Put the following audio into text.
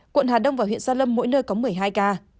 quận hà đông và huyện gia lâm mỗi nơi có một mươi hai ca